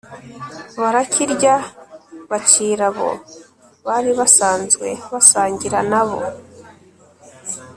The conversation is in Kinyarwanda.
barakirya, bacira abo bari basanzwe basangira na bo,